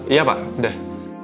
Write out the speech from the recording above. iya pak sudah